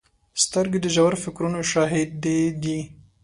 سترګې د ژور فکرونو شاهدې دي